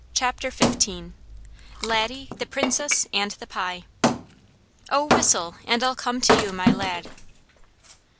CHAPTER XV Laddie, the Princess, and the Pie "O whistle, and I'll come to you, my lad."